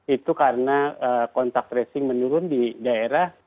itu karena kontak tracing menurun di daerah